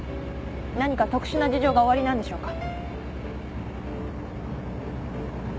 何か特殊な事情がおありなんでしょうか？